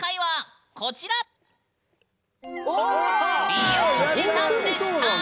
美容師さんでした！